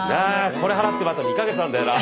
これ払ってもあと２か月あるんだよな。